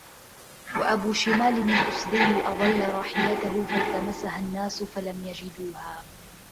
وَأَبُو شِمَالٍ الْأَسَدِيُّ أَضَلَّ رَاحِلَتَهُ فَالْتَمَسَهَا النَّاسُ فَلَمْ يَجِدُوهَا